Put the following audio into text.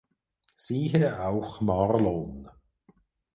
Siehe auch Marlon